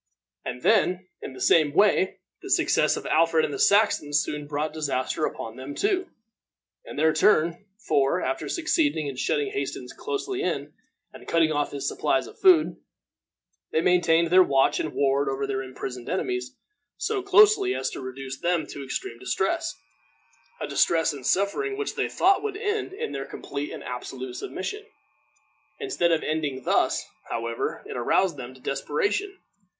And then, in the same way, the success of Alfred and the Saxons soon brought disaster upon them too, in their turn; for, after succeeding in shutting Hastings closely in, and cutting off his supplies of food, they maintained their watch and ward over their imprisoned enemies so closely as to reduce them to extreme distress a distress and suffering which they thought would end in their complete and absolute submission. Instead of ending thus, however, it aroused them to desperation.